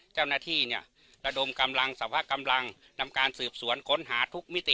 เจ้าหน้าที่เนี่ยระดมกำลังสวะกำลังนำการสืบสวนค้นหาทุกมิติ